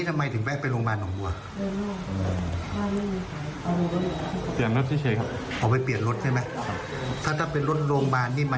ตำรวจแจ้งเขาหารักษัพสิครับและจากการตรวจสอบประวัติพบว่า